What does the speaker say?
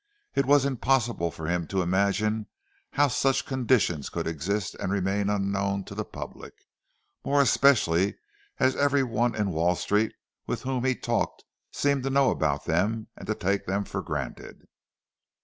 It was impossible for him to imagine how such conditions could exist and remain unknown to the public—more especially as every one in Wall Street with whom he talked seemed to know about them and to take them for granted.